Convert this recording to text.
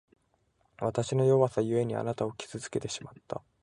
わたしの弱さゆえに、あなたを傷つけてしまった。